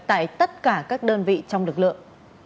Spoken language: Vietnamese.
tại tất cả các đơn vị trong lực lượng